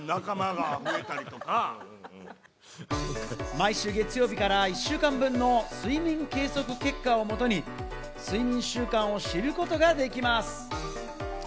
毎週月曜日から１週間分の睡眠計測結果をもとに睡眠習慣を知ることができます。